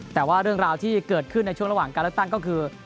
แต่ว่าเรื่องราวที่เกิดขึ้นในช่วงระหว่างการเลือกตั้งก็คือ